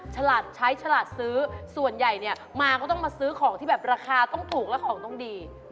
ฉลาดใช้ฉลาดซื้อส่วนใหญ่เนี่ยมาก็ต้องมาซื้อของที่แบบราคาต้องถูกและของต้องดี